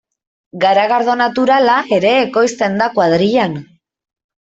Garagardo naturala ere ekoizten da kuadrillan.